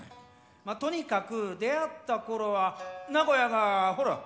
まあとにかく出会ったころは名古屋がほら。